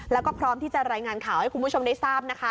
แล้วก็พร้อมที่จะรายงานข่าวให้คุณผู้ชมได้ทราบนะคะ